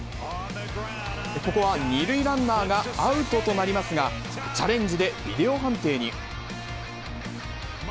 ここは２塁ランナーがアウトとなりますが、チャレンジでビデオ判定に。